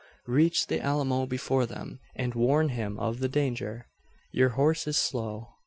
Reach the Alamo before them, and warn him of the danger! Your horse is slow.